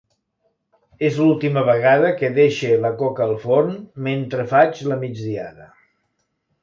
És l’última vegada que deixe la coca al forn mentre faig la migdiada.